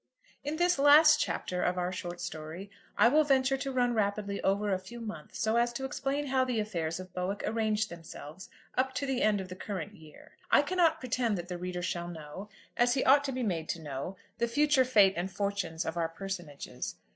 IN this last chapter of our short story I will venture to run rapidly over a few months so as to explain how the affairs of Bowick arranged themselves up to the end of the current year. I cannot pretend that the reader shall know, as he ought to be made to know, the future fate and fortunes of our personages.